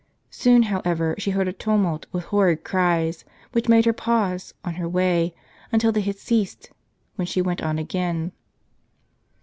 Soon, however, she heard a tumult with horrid cries, which made her pause, on her way, until they had ceased, when she went on again.